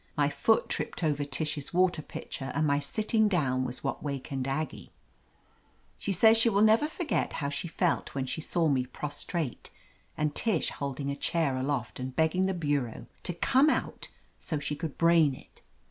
My foot tripped over Tish's water pitcher, and my sitting down was what wakened Aggie. She says she never will forget how she felt when she saw me prostrate and Tish holding a chair aloft and begging the bureau to come out so she could brain it.